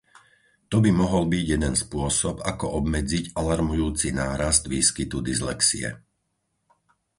To by mohol byť jeden spôsob, ako obmedziť alarmujúci nárast výskytu dyslexie.